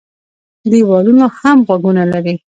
ـ دېوالونو هم غوږونه لري.